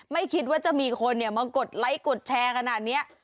ไม่คิดว่าจะมีคนมากดไลค์กดแชร์ขนาดนี้